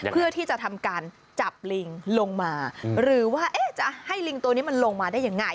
เพื่อที่จะทำการจับลิงลงมาหรือว่าจะให้ลิงตัวนี้มันลงมาได้ยังไง